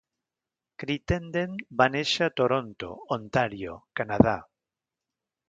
Crittenden va néixer a Toronto, Ontario, Canadà.